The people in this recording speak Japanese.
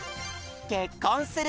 「けっこんする」。